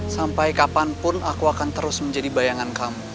sampai kapanpun aku akan terus menjadi bayangnya